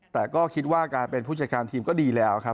แต่ก็คิดว่าการเป็นผู้จัดการทีมก็ดีแล้วครับ